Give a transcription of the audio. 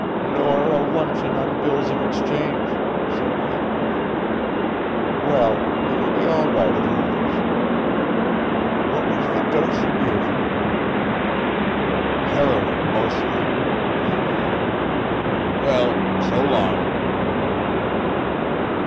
"Nor a luncheon on bills of exchange," said Cavendish. "Well, he will be all right at Hoover's. What was the dose you gave him?" "Heroin, mostly," replied the other. "Well, so long."